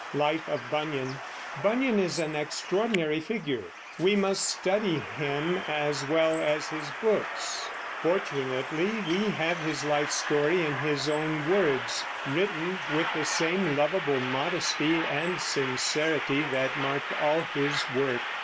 LIFE OF BUNYAN. Bunyan is an extraordinary figure; we must study him, as well as his books. Fortunately we have his life story in his own words, written with the same lovable modesty and sincerity that marked all his work.